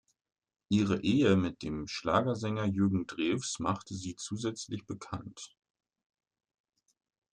Ihre Ehe mit dem Schlagersänger Jürgen Drews machte sie zusätzlich bekannt.